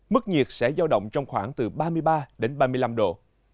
mức nhiệt sẽ giao động trong khoảng từ ba mươi ba đến ba mươi năm độ